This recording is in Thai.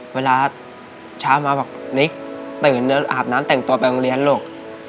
เวลาเช้ามาบอกนิกตื่นอาบน้ำแต่งตัวไปโรงเรียนลูก